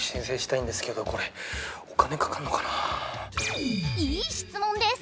いい質問です！